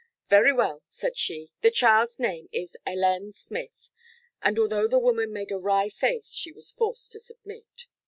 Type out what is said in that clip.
'Very well,' said she, 'the child's name is Hélène Smith'; and although the woman made a wry face she was forced to submit.